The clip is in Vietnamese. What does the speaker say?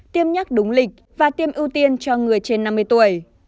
tiêm nhắc đúng lịch và tiêm ưu tiên cho người trên năm mươi tuổi